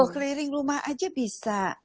keliring rumah aja bisa